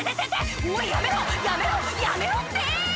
おいやめろやめろやめろって！」